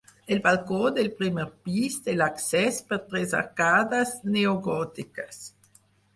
El balcó del primer pis té l'accés per tres arcades neogòtiques.